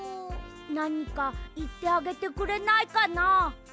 なにかいってあげてくれないかな？